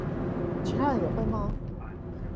其他人也會嗎？